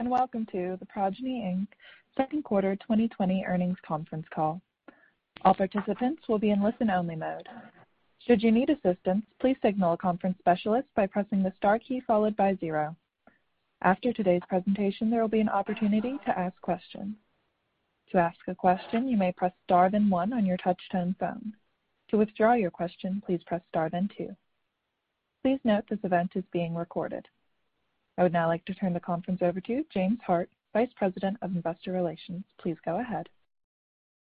Okay. Welcome to the Progyny Q2 2020 earnings conference call. All participants will be in listen-only mode. Should you need assistance, please signal a conference specialist by pressing the star key followed by zero. After today's presentation, there will be an opportunity to ask questions. To ask a question, you may press star then one on your touch-tone phone. To withdraw your question, please press star then two. Please note this event is being recorded. I would now like to turn the conference over to James Hart, Vice President of Investor Relations. Please go ahead.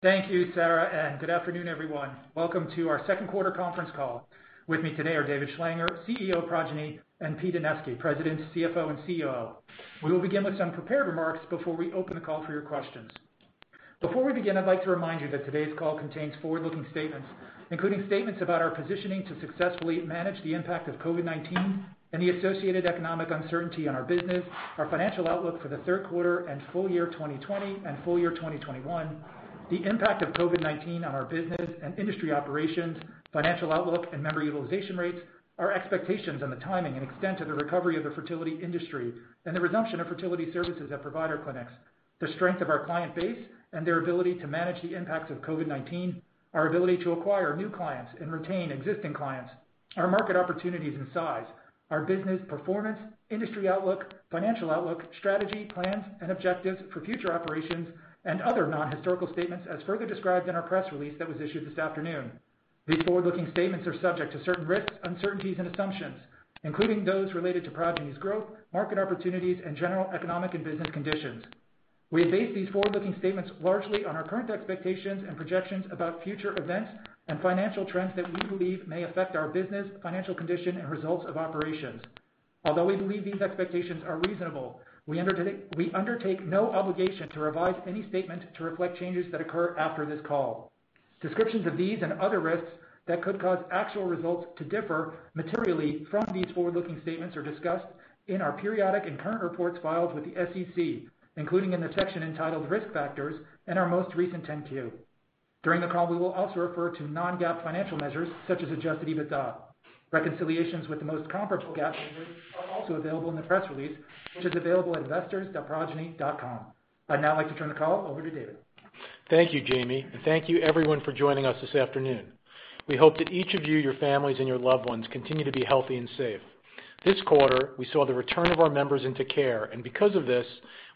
Thank you, Sarah, and good afternoon, everyone. Welcome to our Q2 conference call. With me today are David Schlanger, CEO of Progyny, and Pete Anevski, President, CFO, and COO. We will begin with some prepared remarks before we open the call for your questions. Before we begin, I'd like to remind you that today's call contains forward-looking statements, including statements about our positioning to successfully manage the impact of COVID-19 and the associated economic uncertainty on our business, our financial outlook for the Q3 and full year 2020 and full year 2021, the impact of COVID-19 on our business and industry operations, financial outlook, and member utilization rates, our expectations on the timing and extent of the recovery of the fertility industry and the resumption of fertility services that provide our clinics, the strength of our client base and their ability to manage the impacts of COVID-19, our ability to acquire new clients and retain existing clients, our market opportunities and size, our business performance, industry outlook, financial outlook, strategy, plans, and objectives for future operations, and other non-historical statements as further described in our press release that was issued this afternoon. These forward-looking statements are subject to certain risks, uncertainties, and assumptions, including those related to Progyny's growth, market opportunities, and general economic and business conditions. We have based these forward-looking statements largely on our current expectations and projections about future events and financial trends that we believe may affect our business, financial condition, and results of operations. Although we believe these expectations are reasonable, we undertake no obligation to revise any statement to reflect changes that occur after this call. Descriptions of these and other risks that could cause actual results to differ materially from these forward-looking statements are discussed in our periodic and current reports filed with the SEC, including in the section entitled Risk Factors and our most recent 10-Q. During the call, we will also refer to non-GAAP financial measures such as adjusted EBITDA. Reconciliations with the most comparable GAAP measures are also available in the press release, which is available at investors.progyny.com. I'd now like to turn the call over to David. Thank you, Jamie, and thank you, everyone, for joining us this afternoon. We hope that each of you, your families, and your loved ones continue to be healthy and safe. This quarter, we saw the return of our members into care, and because of this,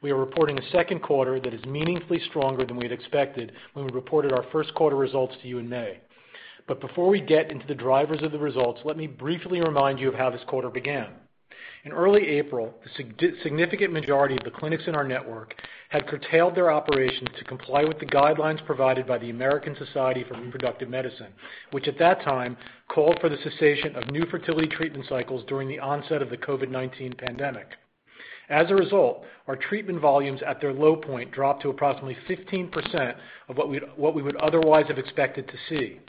we are reporting a Q2 that is meaningfully stronger than we had expected when we reported our Q1 results to you in May. Before we get into the drivers of the results, let me briefly remind you of how this quarter began. In early April, the significant majority of the clinics in our network had curtailed their operations to comply with the guidelines provided by the American Society for Reproductive Medicine, which at that time called for the cessation of new fertility treatment cycles during the onset of the COVID-19 pandemic. As a result, our treatment volumes at their low point dropped to approximately 15% of what we would otherwise have expected to see.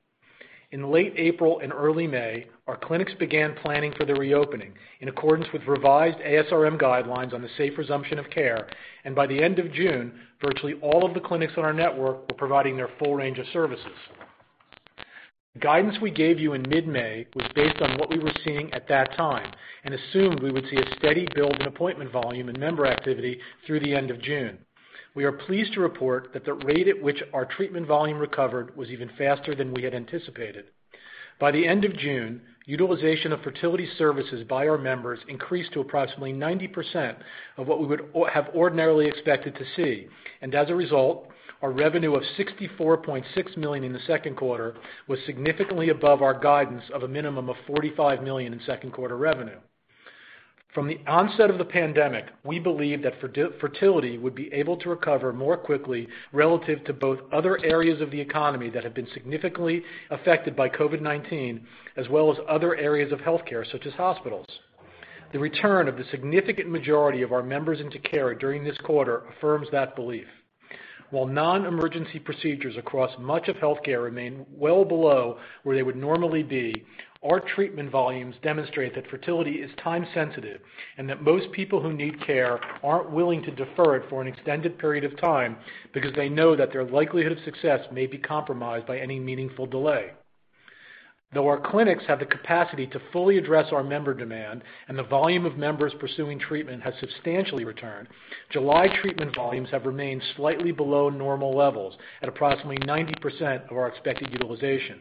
In late April and early May, our clinics began planning for the reopening in accordance with revised ASRM guidelines on the safe resumption of care, and by the end of June, virtually all of the clinics in our network were providing their full range of services. The guidance we gave you in mid-May was based on what we were seeing at that time and assumed we would see a steady build in appointment volume and member activity through the end of June. We are pleased to report that the rate at which our treatment volume recovered was even faster than we had anticipated. By the end of June, utilization of fertility services by our members increased to approximately 90% of what we would have ordinarily expected to see, and as a result, our revenue of $64.6 million in the Q2 was significantly above our guidance of a minimum of $45 million in Q2 revenue. From the onset of the pandemic, we believed that fertility would be able to recover more quickly relative to both other areas of the economy that have been significantly affected by COVID-19, as well as other areas of healthcare, such as hospitals. The return of the significant majority of our members into care during this quarter affirms that belief. While non-emergency procedures across much of healthcare remain well below where they would normally be, our treatment volumes demonstrate that fertility is time-sensitive and that most people who need care aren't willing to defer it for an extended period of time because they know that their likelihood of success may be compromised by any meaningful delay. Though our clinics have the capacity to fully address our member demand and the volume of members pursuing treatment has substantially returned, July treatment volumes have remained slightly below normal levels at approximately 90% of our expected utilization.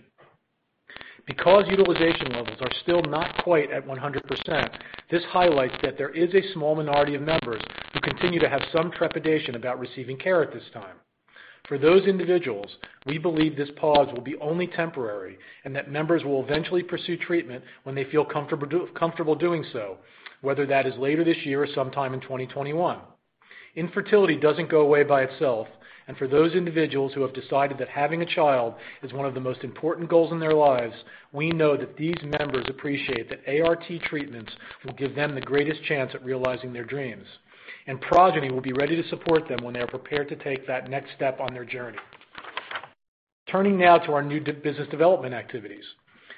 Because utilization levels are still not quite at 100%, this highlights that there is a small minority of members who continue to have some trepidation about receiving care at this time. For those individuals, we believe this pause will be only temporary and that members will eventually pursue treatment when they feel comfortable doing so, whether that is later this year or sometime in 2021. Infertility does not go away by itself, and for those individuals who have decided that having a child is one of the most important goals in their lives, we know that these members appreciate that ART treatments will give them the greatest chance at realizing their dreams, and Progyny will be ready to support them when they are prepared to take that next step on their journey. Turning now to our new business development activities.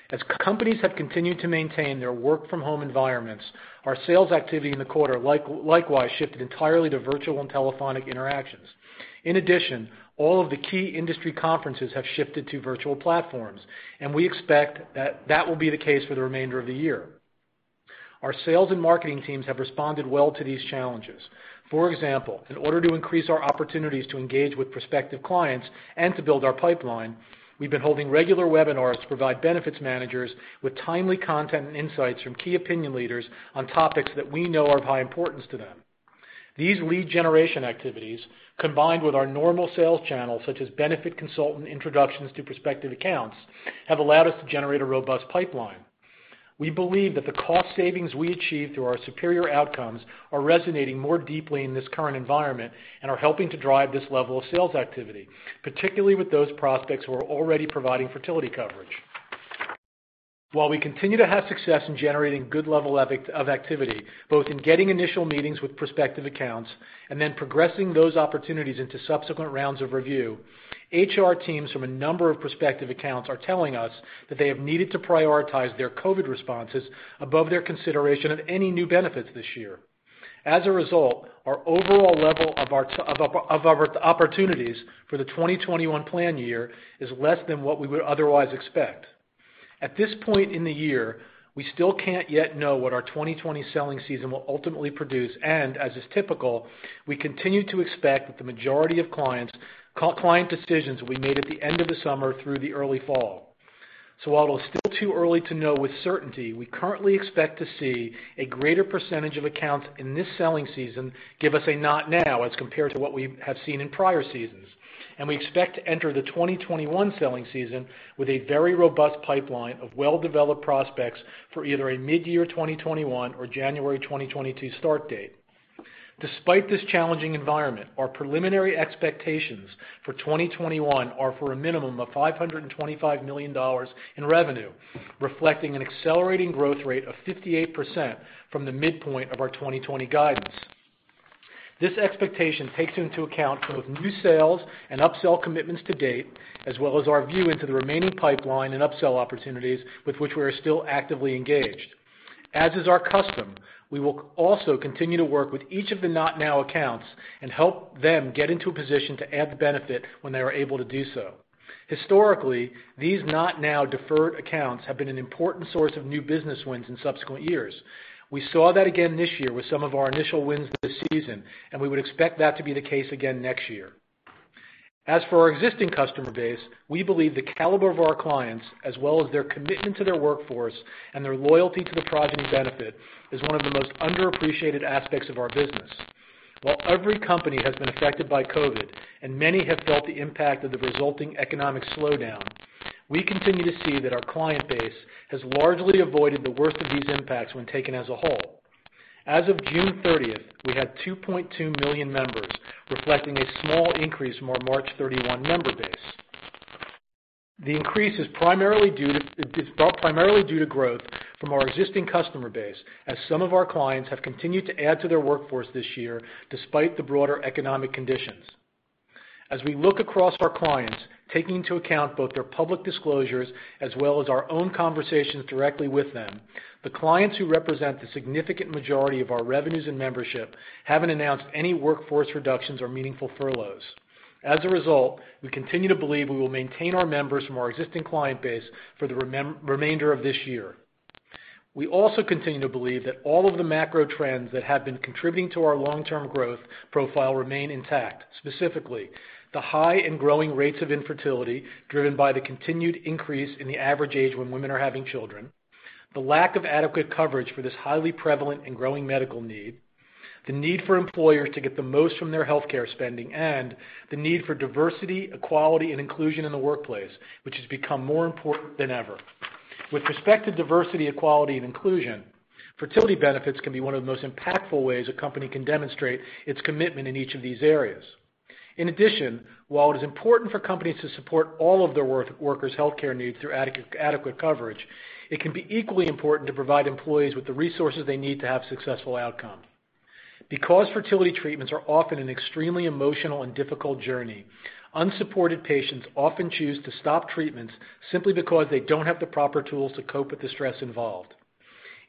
As companies have continued to maintain their work-from-home environments, our sales activity in the quarter likewise shifted entirely to virtual and telephonic interactions. In addition, all of the key industry conferences have shifted to virtual platforms, and we expect that that will be the case for the remainder of the year. Our sales and marketing teams have responded well to these challenges. For example, in order to increase our opportunities to engage with prospective clients and to build our pipeline, we've been holding regular webinars to provide benefits managers with timely content and insights from key opinion leaders on topics that we know are of high importance to them. These lead generation activities, combined with our normal sales channels such as benefit consultant introductions to prospective accounts, have allowed us to generate a robust pipeline. We believe that the cost savings we achieve through our superior outcomes are resonating more deeply in this current environment and are helping to drive this level of sales activity, particularly with those prospects who are already providing fertility coverage. While we continue to have success in generating good level of activity, both in getting initial meetings with prospective accounts and then progressing those opportunities into subsequent rounds of review, HR teams from a number of prospective accounts are telling us that they have needed to prioritize their COVID responses above their consideration of any new benefits this year. As a result, our overall level of opportunities for the 2021 plan year is less than what we would otherwise expect. At this point in the year, we still can't yet know what our 2020 selling season will ultimately produce, and as is typical, we continue to expect that the majority of clients' client decisions will be made at the end of the summer through the early fall. While it is still too early to know with certainty, we currently expect to see a greater percentage of accounts in this selling season give us a not now as compared to what we have seen in prior seasons, and we expect to enter the 2021 selling season with a very robust pipeline of well-developed prospects for either a mid-year 2021 or January 2022 start date. Despite this challenging environment, our preliminary expectations for 2021 are for a minimum of $525 million in revenue, reflecting an accelerating growth rate of 58% from the midpoint of our 2020 guidance. This expectation takes into account both new sales and upsell commitments to date, as well as our view into the remaining pipeline and upsell opportunities with which we are still actively engaged. As is our custom, we will also continue to work with each of the not now accounts and help them get into a position to add benefit when they are able to do so. Historically, these not now deferred accounts have been an important source of new business wins in subsequent years. We saw that again this year with some of our initial wins this season, and we would expect that to be the case again next year. As for our existing customer base, we believe the caliber of our clients, as well as their commitment to their workforce and their loyalty to the Progyny benefit, is one of the most underappreciated aspects of our business. While every company has been affected by COVID and many have felt the impact of the resulting economic slowdown, we continue to see that our client base has largely avoided the worst of these impacts when taken as a whole. As of June 30, we had 2.2 million members, reflecting a small increase from our March 31 member base. The increase is primarily due to growth from our existing customer base, as some of our clients have continued to add to their workforce this year despite the broader economic conditions. As we look across our clients, taking into account both their public disclosures as well as our own conversations directly with them, the clients who represent the significant majority of our revenues and membership have not announced any workforce reductions or meaningful furloughs. As a result, we continue to believe we will maintain our members from our existing client base for the remainder of this year. We also continue to believe that all of the macro trends that have been contributing to our long-term growth profile remain intact, specifically the high and growing rates of infertility driven by the continued increase in the average age when women are having children, the lack of adequate coverage for this highly prevalent and growing medical need, the need for employers to get the most from their healthcare spending, and the need for diversity, equality, and inclusion in the workplace, which has become more important than ever. With respect to diversity, equality, and inclusion, fertility benefits can be one of the most impactful ways a company can demonstrate its commitment in each of these areas. In addition, while it is important for companies to support all of their workers' healthcare needs through adequate coverage, it can be equally important to provide employees with the resources they need to have successful outcomes. Because fertility treatments are often an extremely emotional and difficult journey, unsupported patients often choose to stop treatments simply because they don't have the proper tools to cope with the stress involved.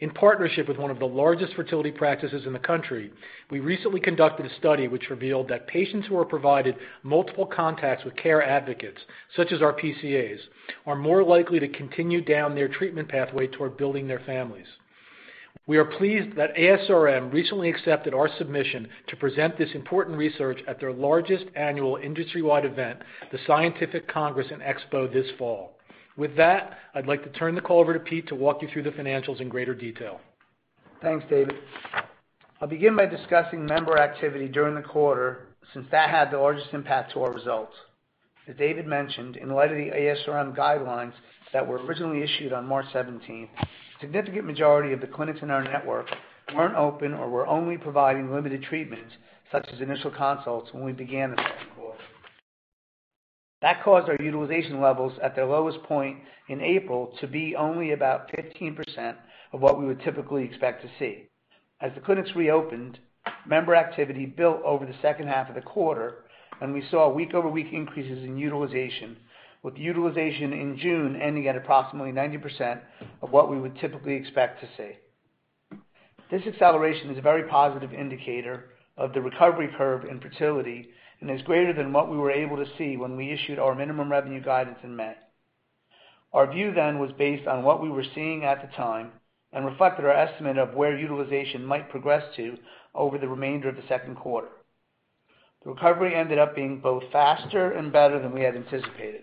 In partnership with one of the largest fertility practices in the country, we recently conducted a study which revealed that patients who are provided multiple contacts with care advocates, such as our PCAs, are more likely to continue down their treatment pathway toward building their families. We are pleased that ASRM recently accepted our submission to present this important research at their largest annual industry-wide event, the Scientific Congress and Expo, this fall. With that, I'd like to turn the call over to Pete to walk you through the financials in greater detail. Thanks, David. I'll begin by discussing member activity during the quarter since that had the largest impact to our results. As David mentioned, in light of the ASRM guidelines that were originally issued on March 17, a significant majority of the clinics in our network were not open or were only providing limited treatments, such as initial consults, when we began the quarter. That caused our utilization levels at their lowest point in April to be only about 15% of what we would typically expect to see. As the clinics reopened, member activity built over the second half of the quarter, and we saw week-over-week increases in utilization, with utilization in June ending at approximately 90% of what we would typically expect to see. This acceleration is a very positive indicator of the recovery curve in fertility and is greater than what we were able to see when we issued our minimum revenue guidance in May. Our view then was based on what we were seeing at the time and reflected our estimate of where utilization might progress to over the remainder of the Q2. The recovery ended up being both faster and better than we had anticipated.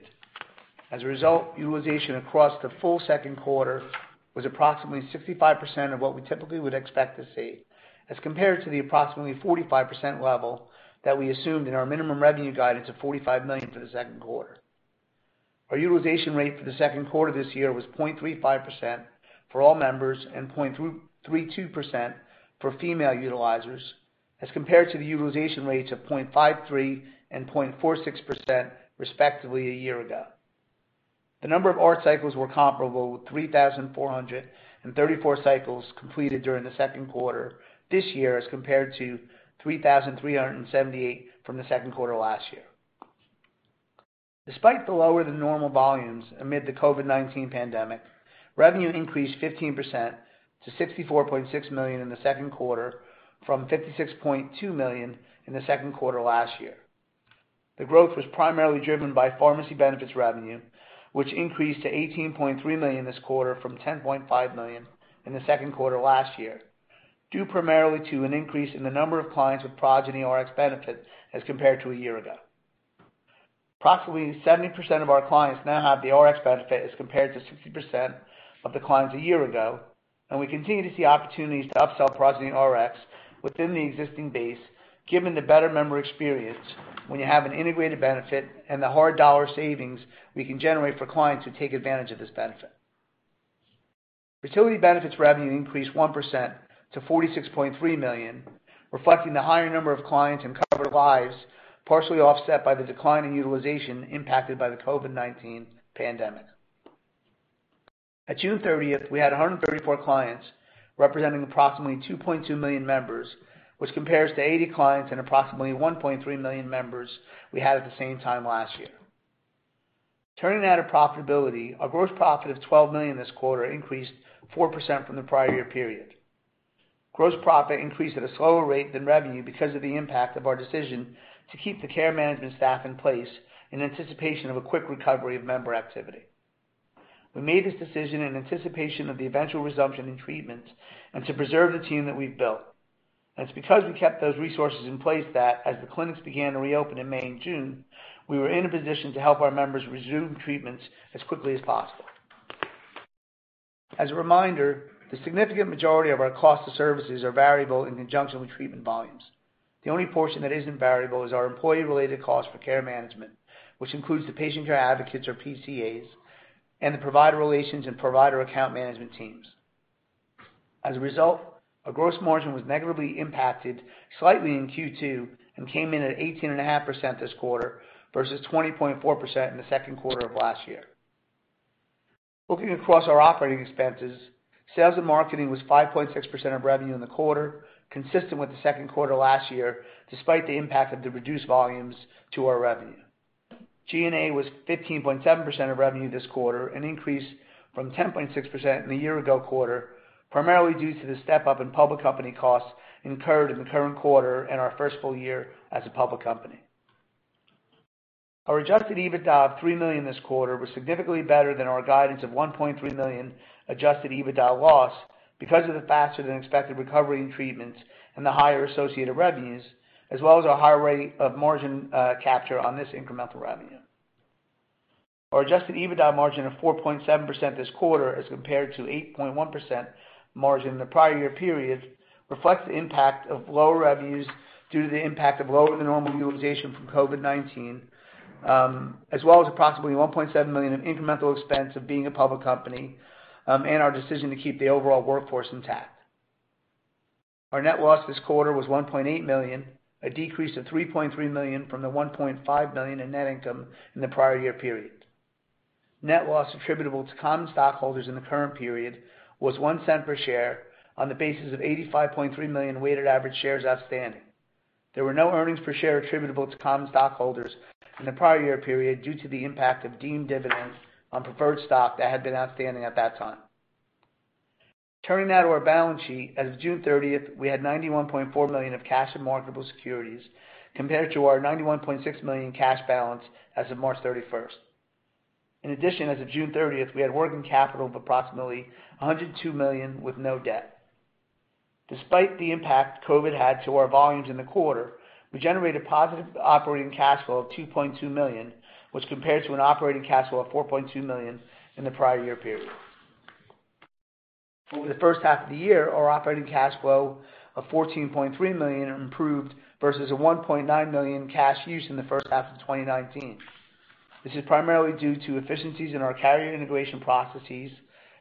As a result, utilization across the full Q2 was approximately 65% of what we typically would expect to see, as compared to the approximately 45% level that we assumed in our minimum revenue guidance of $45 million for the Q2. Our utilization rate for the Q2 this year was 0.35% for all members and 0.32% for female utilizers, as compared to the utilization rates of 0.53% and 0.46%, respectively, a year ago. The number of ART cycles were comparable with 3,434 cycles completed during the Q2 this year, as compared to 3,378 from the Q2 last year. Despite the lower-than-normal volumes amid the COVID-19 pandemic, revenue increased 15% to $64.6 million in the Q2, from $56.2 million in the Q2 last year. The growth was primarily driven by pharmacy benefits revenue, which increased to $18.3 million this quarter from $10.5 million in the Q2 last year, due primarily to an increase in the number of clients with Progyny Rx benefits as compared to a year ago. Approximately 70% of our clients now have the RX benefit as compared to 60% of the clients a year ago, and we continue to see opportunities to upsell Progyny Rx within the existing base, given the better member experience when you have an integrated benefit and the hard dollar savings we can generate for clients who take advantage of this benefit. Fertility benefits revenue increased 1% to $46.3 million, reflecting the higher number of clients and covered lives, partially offset by the decline in utilization impacted by the COVID-19 pandemic. At June 30, we had 134 clients representing approximately 2.2 million members, which compares to 80 clients and approximately 1.3 million members we had at the same time last year. Turning now to profitability, our gross profit of $12 million this quarter increased 4% from the prior year period. Gross profit increased at a slower rate than revenue because of the impact of our decision to keep the care management staff in place in anticipation of a quick recovery of member activity. We made this decision in anticipation of the eventual resumption in treatments and to preserve the team that we've built. It is because we kept those resources in place that, as the clinics began to reopen in May and June, we were in a position to help our members resume treatments as quickly as possible. As a reminder, the significant majority of our cost of services are variable in conjunction with treatment volumes. The only portion that is not variable is our employee-related cost for care management, which includes the patient care advocates, or PCAs, and the provider relations and provider account management teams. As a result, our gross margin was negatively impacted slightly in Q2 and came in at 18.5% this quarter versus 20.4% in the Q2 of last year. Looking across our operating expenses, sales and marketing was 5.6% of revenue in the quarter, consistent with the Q2 last year, despite the impact of the reduced volumes to our revenue. G&A was 15.7% of revenue this quarter, an increase from 10.6% in the year-ago quarter, primarily due to the step-up in public company costs incurred in the current quarter and our first full year as a public company. Our adjusted EBITDA of $3 million this quarter was significantly better than our guidance of $1.3 million adjusted EBITDA loss because of the faster-than-expected recovery in treatments and the higher associated revenues, as well as our higher rate of margin capture on this incremental revenue. Our adjusted EBITDA margin of 4.7% this quarter, as compared to 8.1% margin in the prior year period, reflects the impact of lower revenues due to the impact of lower-than-normal utilization from COVID-19, as well as approximately $1.7 million of incremental expense of being a public company and our decision to keep the overall workforce intact. Our net loss this quarter was $1.8 million, a decrease of $3.3 million from the $1.5 million in net income in the prior year period. Net loss attributable to common stockholders in the current period was $0.01 per share on the basis of 85.3 million weighted average shares outstanding. There were no earnings per share attributable to common stockholders in the prior year period due to the impact of deemed dividends on preferred stock that had been outstanding at that time. Turning now to our balance sheet, as of June 30, we had $91.4 million of cash and marketable securities compared to our $91.6 million cash balance as of March 31. In addition, as of June 30, we had working capital of approximately $102 million with no debt. Despite the impact COVID had to our volumes in the quarter, we generated a positive operating cash flow of $2.2 million, which compares to an operating cash flow of $4.2 million in the prior year period. Over the first half of the year, our operating cash flow of $14.3 million improved versus a $1.9 million cash use in the first half of 2019. This is primarily due to efficiencies in our carrier integration processes,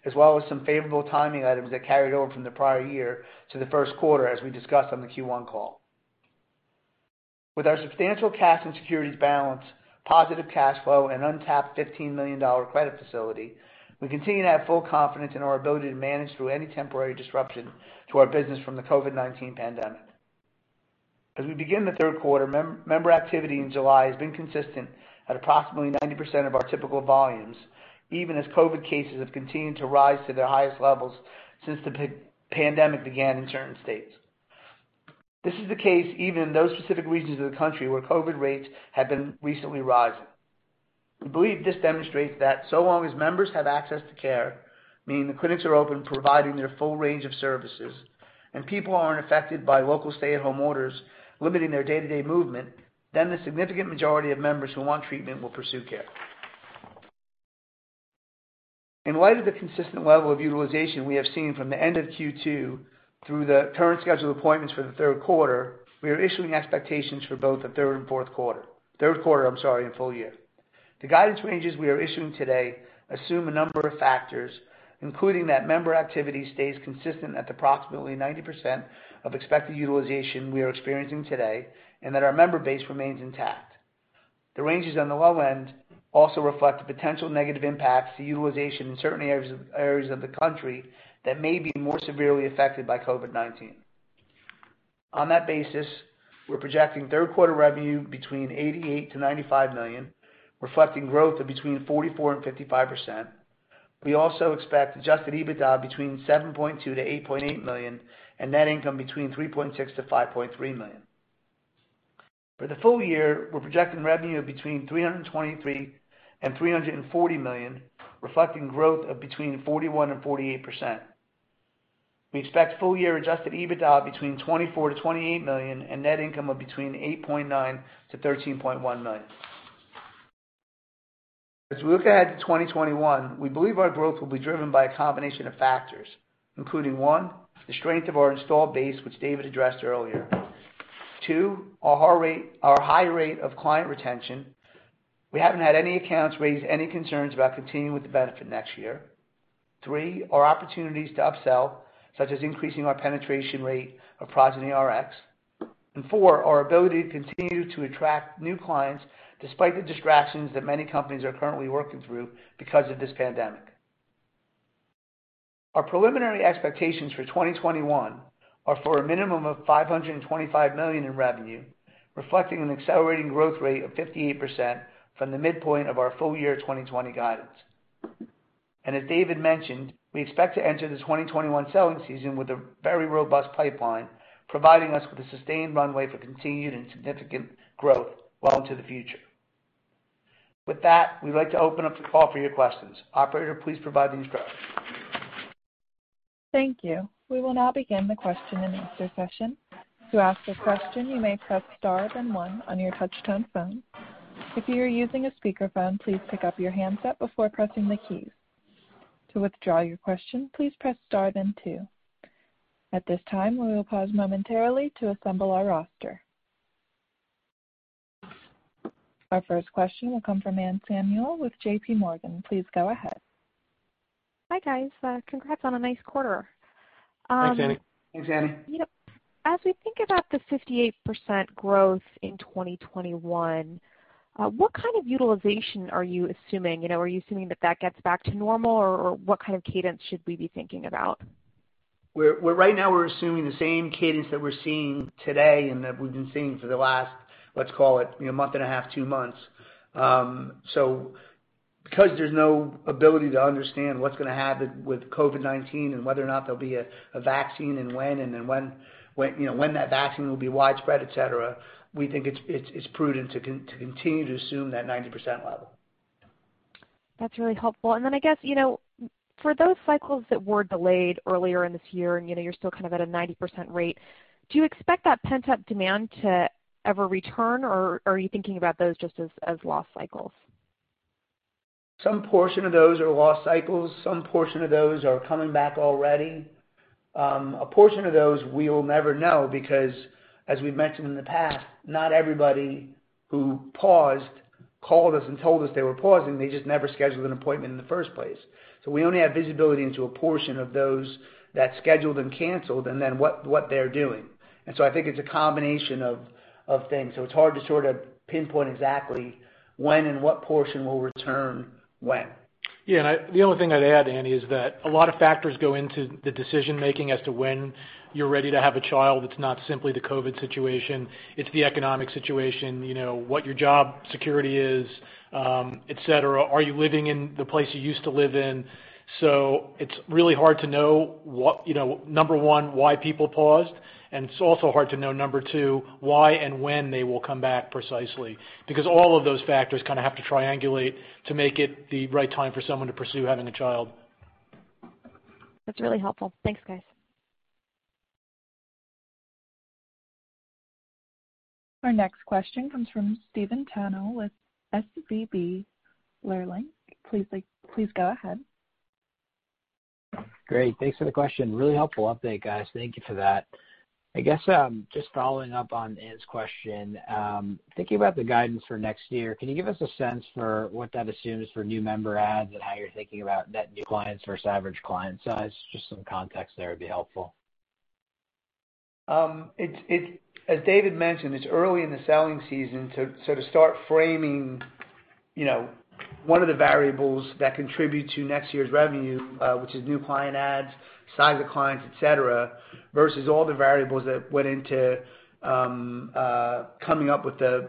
as well as some favorable timing items that carried over from the prior year to the Q1, as we discussed on the Q1 call. With our substantial cash and securities balance, positive cash flow, and untapped $15 million credit facility, we continue to have full confidence in our ability to manage through any temporary disruption to our business from the COVID-19 pandemic. As we begin the Q3, member activity in July has been consistent at approximately 90% of our typical volumes, even as COVID cases have continued to rise to their highest levels since the pandemic began in certain states. This is the case even in those specific regions of the country where COVID rates have been recently rising. We believe this demonstrates that so long as members have access to care, meaning the clinics are open providing their full range of services, and people are not affected by local stay-at-home orders limiting their day-to-day movement, then the significant majority of members who want treatment will pursue care. In light of the consistent level of utilization we have seen from the end of Q2 through the current scheduled appointments for the Q3, we are issuing expectations for both the Q3, I'm sorry, and full year. The guidance ranges we are issuing today assume a number of factors, including that member activity stays consistent at approximately 90% of expected utilization we are experiencing today and that our member base remains intact. The ranges on the low end also reflect the potential negative impacts to utilization in certain areas of the country that may be more severely affected by COVID-19. On that basis, we're projecting Q3 revenue between $88-$95 million, reflecting growth of between 44% and 55%. We also expect adjusted EBITDA between $7.2-$8.8 million and net income between $3.6-$5.3 million. For the full year, we're projecting revenue of between $323 million and $340 million, reflecting growth of between 41% and 48%. We expect full-year adjusted EBITDA between $24 million to $28 million and net income of between $8.9 million to $13.1 million. As we look ahead to 2021, we believe our growth will be driven by a combination of factors, including: one, the strength of our installed base, which David addressed earlier; two, our high rate of client retention. We haven't had any accounts raise any concerns about continuing with the benefit next year; three, our opportunities to upsell, such as increasing our penetration rate of Progyny RX; and four, our ability to continue to attract new clients despite the distractions that many companies are currently working through because of this pandemic. Our preliminary expectations for 2021 are for a minimum of $525 million in revenue, reflecting an accelerating growth rate of 58% from the midpoint of our full year 2020 guidance. As David mentioned, we expect to enter the 2021 selling season with a very robust pipeline, providing us with a sustained runway for continued and significant growth well into the future. With that, we'd like to open up the call for your questions. Operator, please provide the instructions. Thank you. We will now begin the question-and-answer session. To ask a question, you may press star then 1 on your touch-tone phone. If you are using a speakerphone, please pick up your handset before pressing the keys. To withdraw your question, please press Star then 2. At this time, we will pause momentarily to assemble our roster. Our first question will come from Anne Samuel with J.P. Morgan. Please go ahead. Hi, guys. Congrats on a nice quarter. Thanks, Annie. Thanks, Annie. Yep. As we think about the 58% growth in 2021, what kind of utilization are you assuming? Are you assuming that that gets back to normal, or what kind of cadence should we be thinking about? Right now, we're assuming the same cadence that we're seeing today and that we've been seeing for the last, let's call it, month and a half, two months. Because there's no ability to understand what's going to happen with COVID-19 and whether or not there'll be a vaccine and when and when that vaccine will be widespread, etc., we think it's prudent to continue to assume that 90% level. That's really helpful. I guess for those cycles that were delayed earlier in this year and you're still kind of at a 90% rate, do you expect that pent-up demand to ever return, or are you thinking about those just as lost cycles? Some portion of those are lost cycles. Some portion of those are coming back already. A portion of those we'll never know because, as we've mentioned in the past, not everybody who paused called us and told us they were pausing. They just never scheduled an appointment in the first place. We only have visibility into a portion of those that scheduled and canceled and then what they're doing. I think it's a combination of things. It's hard to sort of pinpoint exactly when and what portion will return when. Yeah. The only thing I'd add, Annie, is that a lot of factors go into the decision-making as to when you're ready to have a child. It's not simply the COVID situation. It's the economic situation, what your job security is, etc. Are you living in the place you used to live in? It's really hard to know, number one, why people paused. It's also hard to know, number two, why and when they will come back precisely because all of those factors kind of have to triangulate to make it the right time for someone to pursue having a child. That's really helpful. Thanks, guys. Our next question comes from Stephen Tanal with SVB Leerink. Please go ahead. Great. Thanks for the question. Really helpful update, guys. Thank you for that. I guess just following up on Ann's question, thinking about the guidance for next year, can you give us a sense for what that assumes for new member ads and how you're thinking about net new clients versus average client size? Just some context there would be helpful. As David mentioned, it's early in the selling season. To start framing one of the variables that contribute to next year's revenue, which is new client ads, size of clients, etc., versus all the variables that went into coming up with the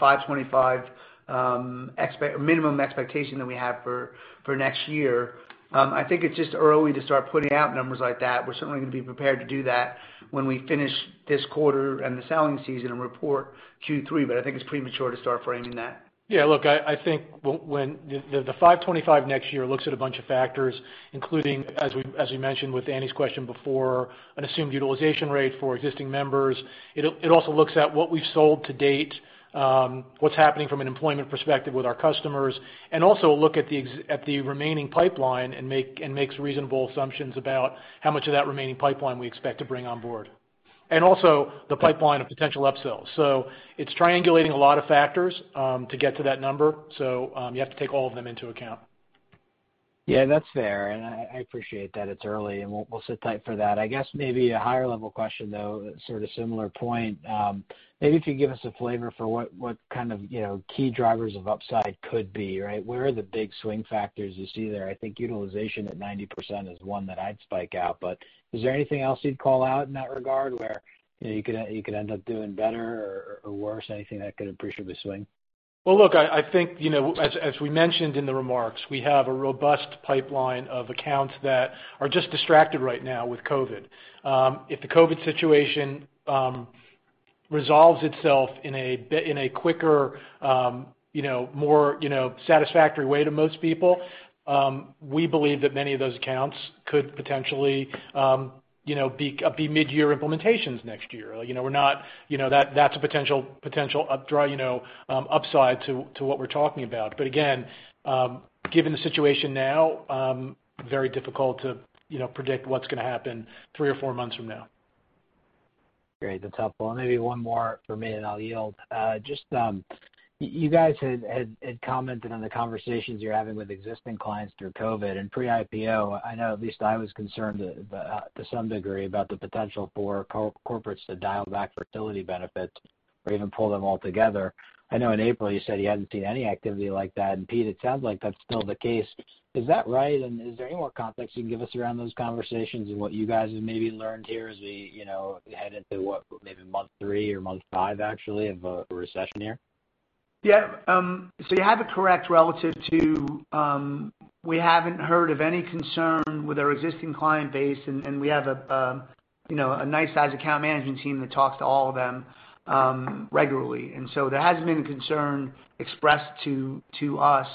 $525 million minimum expectation that we have for next year, I think it's just early to start putting out numbers like that. We're certainly going to be prepared to do that when we finish this quarter and the selling season and report Q3, but I think it's premature to start framing that. Yeah. Look, I think the $525 next year looks at a bunch of factors, including, as we mentioned with Annie's question before, an assumed utilization rate for existing members. It also looks at what we've sold to date, what's happening from an employment perspective with our customers, and also look at the remaining pipeline and makes reasonable assumptions about how much of that remaining pipeline we expect to bring on board, and also the pipeline of potential upsells. It's triangulating a lot of factors to get to that number. You have to take all of them into account. Yeah. That's fair. I appreciate that it's early, and we'll sit tight for that. I guess maybe a higher-level question, though, sort of similar point. Maybe if you give us a flavor for what kind of key drivers of upside could be, right? Where are the big swing factors you see there? I think utilization at 90% is one that I'd spike out, but is there anything else you'd call out in that regard where you could end up doing better or worse, anything that could appreciably swing? I think, as we mentioned in the remarks, we have a robust pipeline of accounts that are just distracted right now with COVID. If the COVID situation resolves itself in a quicker, more satisfactory way to most people, we believe that many of those accounts could potentially be mid-year implementations next year. We're not—that's a potential upside to what we're talking about. Again, given the situation now, very difficult to predict what's going to happen three or four months from now. Great. That's helpful. Maybe one more for me and I'll yield. You guys had commented on the conversations you're having with existing clients through COVID and pre-IPO. I know at least I was concerned to some degree about the potential for corporates to dial back fertility benefits or even pull them all together. I know in April you said you hadn't seen any activity like that. Pete, it sounds like that's still the case. Is that right? Is there any more context you can give us around those conversations and what you guys have maybe learned here as we head into what, maybe month three or month five actually of a recession year? Yeah. You have it correct relative to we haven't heard of any concern with our existing client base, and we have a nice-sized account management team that talks to all of them regularly. There hasn't been a concern expressed to us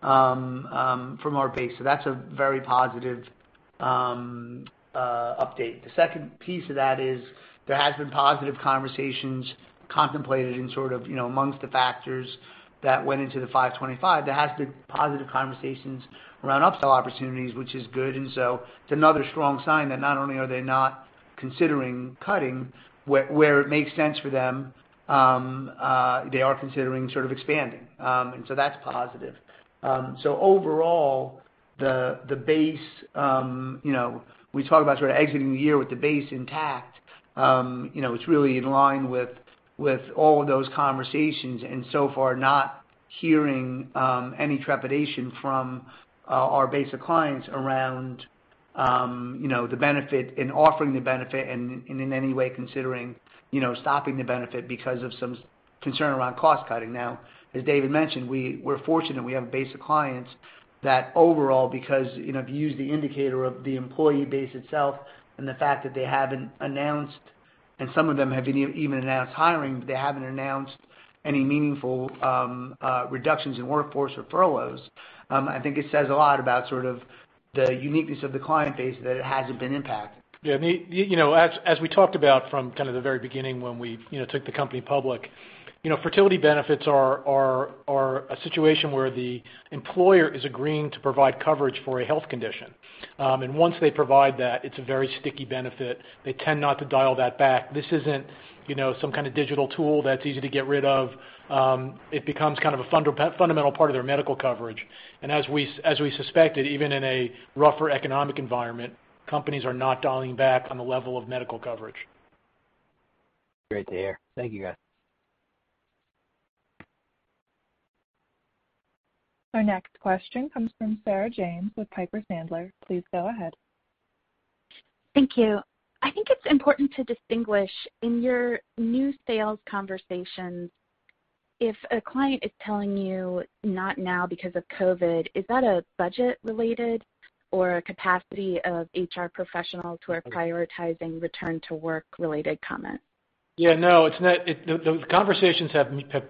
from our base. That's a very positive update. The second piece of that is there have been positive conversations contemplated in sort of amongst the factors that went into the $525. There have been positive conversations around upsell opportunities, which is good. It's another strong sign that not only are they not considering cutting where it makes sense for them, they are considering sort of expanding. That's positive. Overall, the base we talk about sort of exiting the year with the base intact. It's really in line with all of those conversations and so far not hearing any trepidation from our base of clients around the benefit and offering the benefit and in any way considering stopping the benefit because of some concern around cost cutting. Now, as David mentioned, we're fortunate we have a base of clients that overall, because if you use the indicator of the employee base itself and the fact that they haven't announced—and some of them have even announced hiring—but they haven't announced any meaningful reductions in workforce or furloughs. I think it says a lot about sort of the uniqueness of the client base that it hasn't been impacted. Yeah. As we talked about from kind of the very beginning when we took the company public, fertility benefits are a situation where the employer is agreeing to provide coverage for a health condition. Once they provide that, it's a very sticky benefit. They tend not to dial that back. This isn't some kind of digital tool that's easy to get rid of. It becomes kind of a fundamental part of their medical coverage. As we suspected, even in a rougher economic environment, companies are not dialing back on the level of medical coverage. Great to hear. Thank you, guys. Our next question comes from Sarah James with Piper Sandler. Please go ahead. Thank you. I think it's important to distinguish in your new sales conversations, if a client is telling you not now because of COVID, is that a budget-related or a capacity of HR professionals who are prioritizing return-to-work-related comments? Yeah. No. The conversations have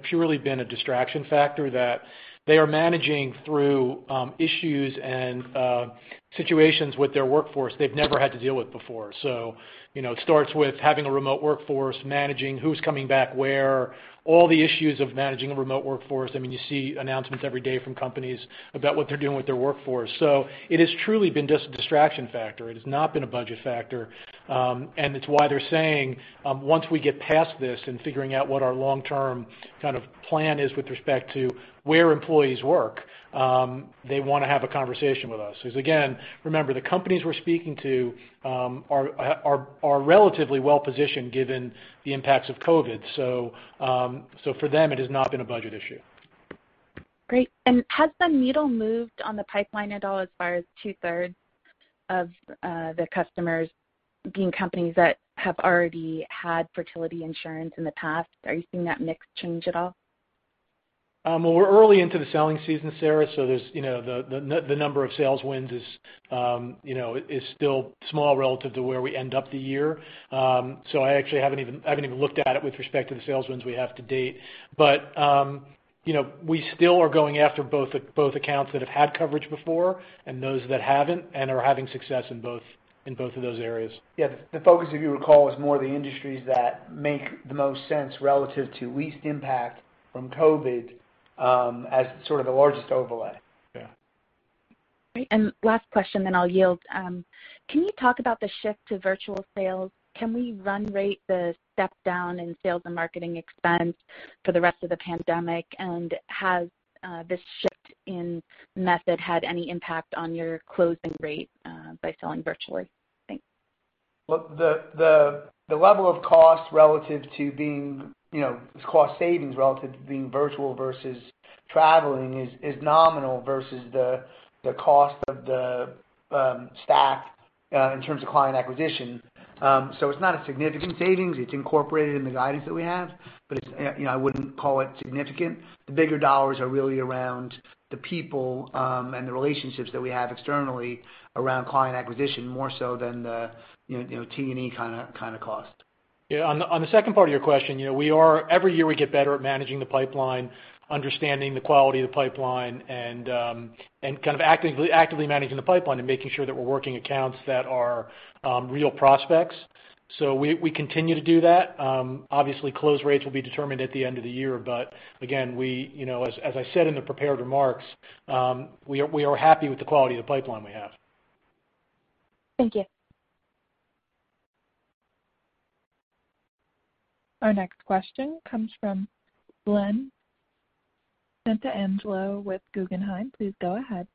purely been a distraction factor that they are managing through issues and situations with their workforce they've never had to deal with before. It starts with having a remote workforce, managing who's coming back where, all the issues of managing a remote workforce. I mean, you see announcements every day from companies about what they're doing with their workforce. It has truly been just a distraction factor. It has not been a budget factor. It's why they're saying once we get past this and figuring out what our long-term kind of plan is with respect to where employees work, they want to have a conversation with us. Because again, remember, the companies we're speaking to are relatively well-positioned given the impacts of COVID. For them, it has not been a budget issue. Great. Has the needle moved on the pipeline at all as far as two-thirds of the customers being companies that have already had fertility insurance in the past? Are you seeing that mix change at all? We're early into the selling season, Sarah, so the number of sales wins is still small relative to where we end up the year. I actually haven't even looked at it with respect to the sales wins we have to date. We still are going after both accounts that have had coverage before and those that haven't and are having success in both of those areas. Yeah. The focus, if you recall, is more the industries that make the most sense relative to least impact from COVID as sort of the largest overlay. Yeah. Great. Last question, then I'll yield. Can you talk about the shift to virtual sales? Can we run rate the step down in sales and marketing expense for the rest of the pandemic? Has this shift in method had any impact on your closing rate by selling virtually? Thanks. The level of cost relative to being cost savings relative to being virtual versus traveling is nominal versus the cost of the staff in terms of client acquisition. It is not a significant savings. It is incorporated in the guidance that we have, but I would not call it significant. The bigger dollars are really around the people and the relationships that we have externally around client acquisition more so than the T&E kind of cost. Yeah. On the second part of your question, every year we get better at managing the pipeline, understanding the quality of the pipeline, and kind of actively managing the pipeline and making sure that we're working accounts that are real prospects. We continue to do that. Obviously, close rates will be determined at the end of the year. Again, as I said in the prepared remarks, we are happy with the quality of the pipeline we have. Thank you. Our next question comes from Samantha Draper with Guggenheim, please go ahead.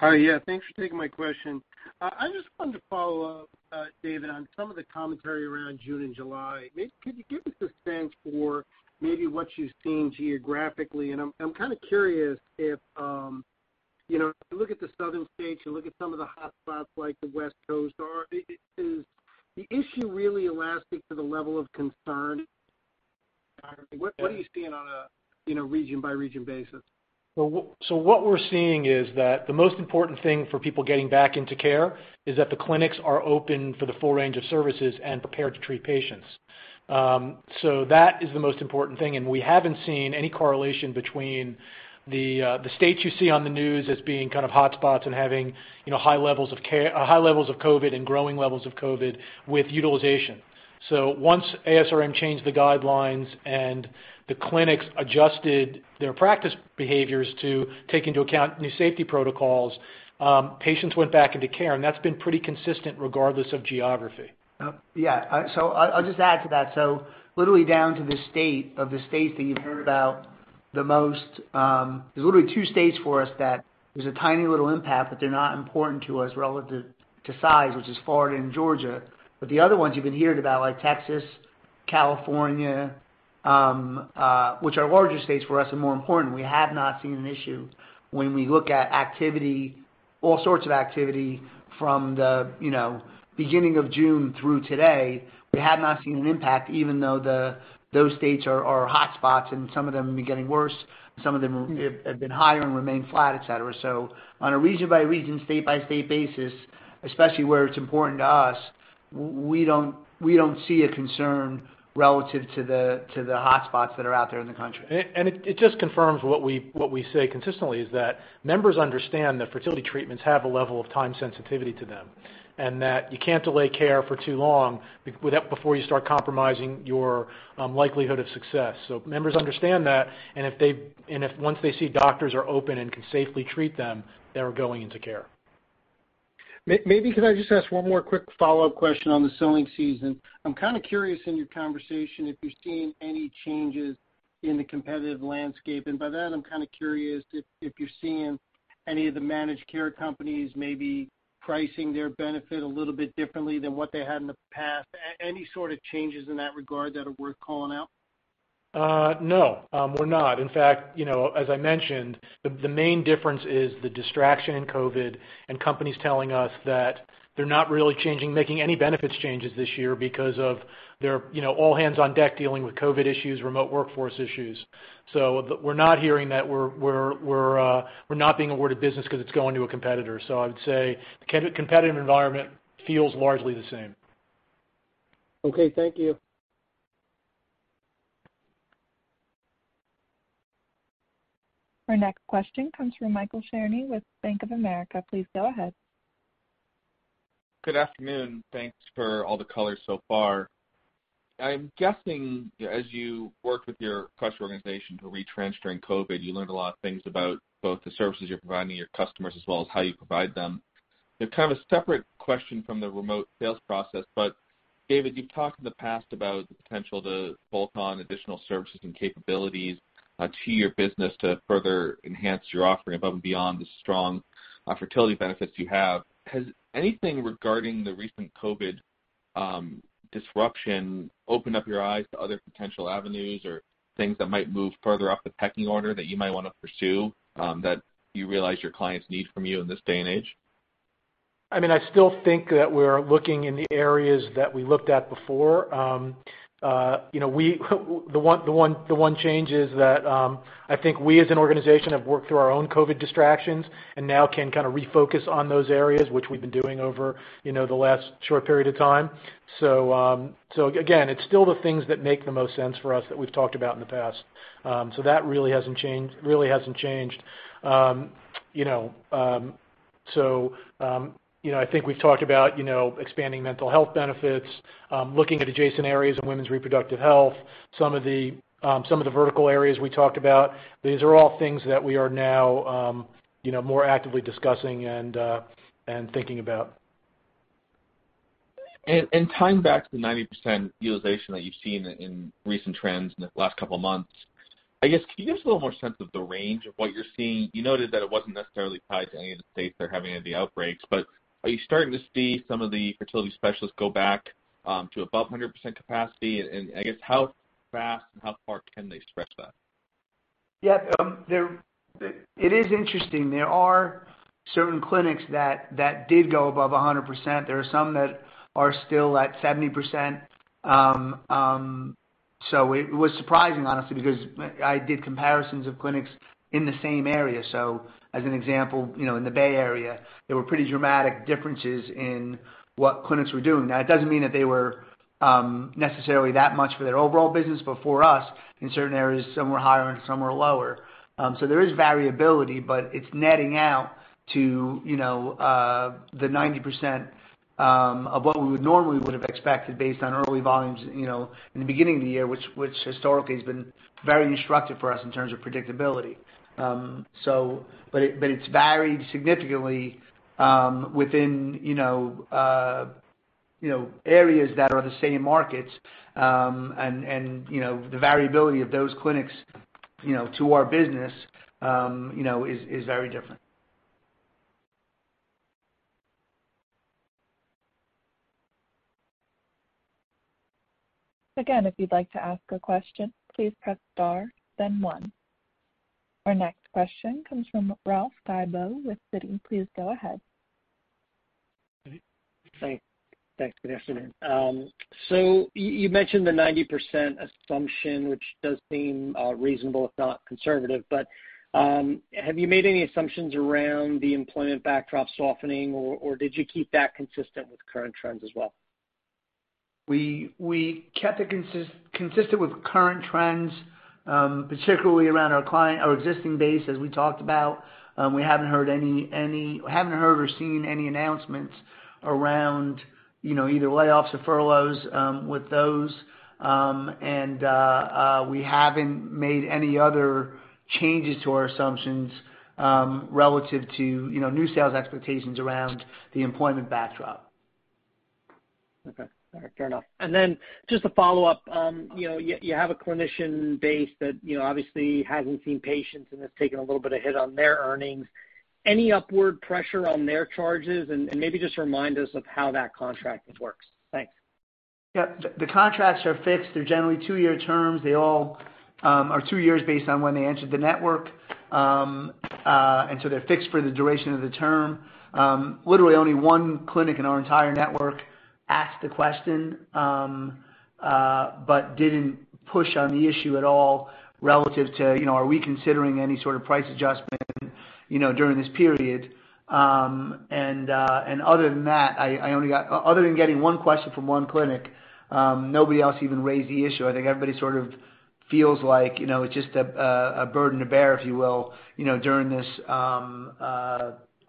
Hi. Yeah. Thanks for taking my question. I just wanted to follow up, David, on some of the commentary around June and July. Could you give us a sense for maybe what you've seen geographically? I'm kind of curious if you look at the southern states, you look at some of the hotspots like the West Coast, is the issue really elastic to the level of concern? What are you seeing on a region-by-region basis? What we're seeing is that the most important thing for people getting back into care is that the clinics are open for the full range of services and prepared to treat patients. That is the most important thing. We haven't seen any correlation between the states you see on the news as being kind of hotspots and having high levels of COVID and growing levels of COVID with utilization. Once ASRM changed the guidelines and the clinics adjusted their practice behaviors to take into account new safety protocols, patients went back into care. That's been pretty consistent regardless of geography. Yeah. I'll just add to that. Literally down to the state of the states that you've heard about the most, there's literally two states for us that there's a tiny little impact, but they're not important to us relative to size, which is Florida and Georgia. The other ones you've been hearing about, like Texas, California, which are larger states for us and more important, we have not seen an issue when we look at activity, all sorts of activity from the beginning of June through today. We have not seen an impact even though those states are hotspots and some of them are getting worse, some of them have been higher and remain flat, etc. On a region-by-region, state-by-state basis, especially where it's important to us, we don't see a concern relative to the hotspots that are out there in the country. It just confirms what we say consistently is that members understand that fertility treatments have a level of time sensitivity to them and that you can't delay care for too long before you start compromising your likelihood of success. Members understand that. Once they see doctors are open and can safely treat them, they're going into care. Maybe can I just ask one more quick follow-up question on the selling season? I'm kind of curious in your conversation if you've seen any changes in the competitive landscape. By that, I'm kind of curious if you've seen any of the managed care companies maybe pricing their benefit a little bit differently than what they had in the past. Any sort of changes in that regard that are worth calling out? No. We're not. In fact, as I mentioned, the main difference is the distraction in COVID and companies telling us that they're not really making any benefits changes this year because they're all hands on deck dealing with COVID issues, remote workforce issues. We're not hearing that we're not being awarded business because it's going to a competitor. I would say the competitive environment feels largely the same. Okay. Thank you. Our next question comes from Michael Cherny with Bank of America. Please go ahead. Good afternoon. Thanks for all the colors so far. I'm guessing as you worked with your cluster organization to retrench during COVID, you learned a lot of things about both the services you're providing your customers as well as how you provide them. Kind of a separate question from the remote sales process. David, you've talked in the past about the potential to bolt on additional services and capabilities to your business to further enhance your offering above and beyond the strong fertility benefits you have. Has anything regarding the recent COVID disruption opened up your eyes to other potential avenues or things that might move further up the pecking order that you might want to pursue that you realize your clients need from you in this day and age? I mean, I still think that we're looking in the areas that we looked at before. The one change is that I think we as an organization have worked through our own COVID distractions and now can kind of refocus on those areas, which we've been doing over the last short period of time. Again, it's still the things that make the most sense for us that we've talked about in the past. That really hasn't changed. It really hasn't changed. I think we've talked about expanding mental health benefits, looking at adjacent areas and women's reproductive health, some of the vertical areas we talked about. These are all things that we are now more actively discussing and thinking about. Tying back to the 90% utilization that you've seen in recent trends in the last couple of months, I guess, can you give us a little more sense of the range of what you're seeing? You noted that it wasn't necessarily tied to any of the states that are having any of the outbreaks. Are you starting to see some of the fertility specialists go back to above 100% capacity? I guess, how fast and how far can they stretch that? Yeah. It is interesting. There are certain clinics that did go above 100%. There are some that are still at 70%. It was surprising, honestly, because I did comparisons of clinics in the same area. As an example, in the Bay Area, there were pretty dramatic differences in what clinics were doing. Now, it does not mean that they were necessarily that much for their overall business, but for us, in certain areas, some were higher and some were lower. There is variability, but it is netting out to the 90% of what we would normally have expected based on early volumes in the beginning of the year, which historically has been very instructive for us in terms of predictability. It has varied significantly within areas that are the same markets. The variability of those clinics to our business is very different. Again, if you'd like to ask a question, please press star, then one. Our next question comes from Ralph Orciuoli with Citi. Please go ahead. Thanks. Good afternoon. You mentioned the 90% assumption, which does seem reasonable, if not conservative. Have you made any assumptions around the employment backdrop softening, or did you keep that consistent with current trends as well? We kept it consistent with current trends, particularly around our existing base, as we talked about. We haven't heard or seen any announcements around either layoffs or furloughs with those. We haven't made any other changes to our assumptions relative to new sales expectations around the employment backdrop. Okay. All right. Fair enough. Just a follow-up. You have a clinician base that obviously hasn't seen patients and has taken a little bit of hit on their earnings. Any upward pressure on their charges? Maybe just remind us of how that contract works. Thanks. Yeah. The contracts are fixed. They're generally two-year terms. They all are two years based on when they entered the network. They're fixed for the duration of the term. Literally, only one clinic in our entire network asked the question but didn't push on the issue at all relative to, "Are we considering any sort of price adjustment during this period?" Other than that, I only got, other than getting one question from one clinic, nobody else even raised the issue. I think everybody sort of feels like it's just a burden to bear, if you will, during this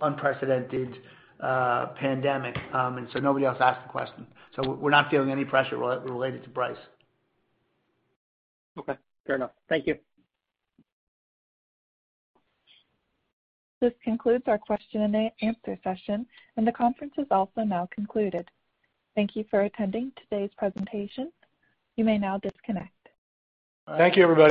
unprecedented pandemic. Nobody else asked the question. We're not feeling any pressure related to price. Okay. Fair enough. Thank you. This concludes our question and answer session. The conference is also now concluded. Thank you for attending today's presentation. You may now disconnect. Thank you.